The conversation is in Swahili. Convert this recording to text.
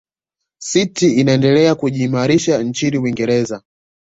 city inaendelea kujiimarisha nchini uingereza